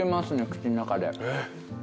口ん中で。